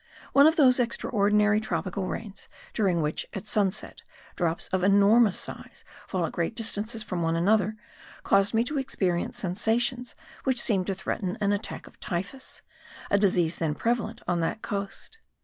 One of those extraordinary tropical rains during which, at sunset, drops of enormous size fall at great distances from one another, caused me to experience sensations which seemed to threaten an attack of typhus, a disease then prevalent on that coast.